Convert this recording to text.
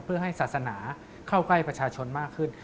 เพื่อให้ศาสนาเข้าใกล้ประชาชนมากขึ้น